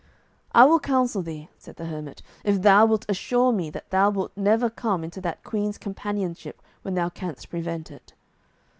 "I will counsel thee," said the hermit, "if thou wilt assure me that thou wilt never come into that queen's companionship when thou canst prevent it."